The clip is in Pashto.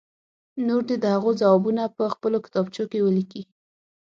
نور دې د هغو ځوابونه په خپلو کتابچو کې ولیکي.